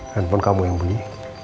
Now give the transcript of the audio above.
handphone kamu yang bunyi